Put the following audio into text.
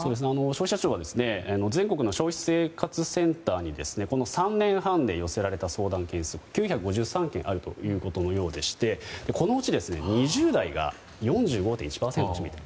消費者庁は全国の消費生活センターにこの３年半で寄せられた相談件数が９５３件あるということのようでしてこのうち、２０代が４５．１％を占めた。